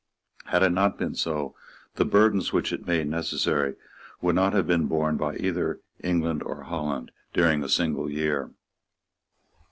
Had it not been so, the burdens which it made necessary would not have been borne by either England or Holland during a single year.